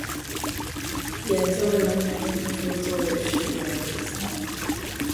研究人员以猪作为实验对象